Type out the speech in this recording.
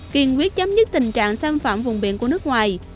kiên quyết chấm dứt tình trạng xâm phạm vùng biển của nước ngoài